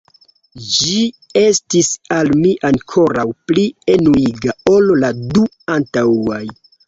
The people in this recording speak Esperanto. Ĝi estis al mi ankoraŭ pli enuiga ol la du antaŭaj.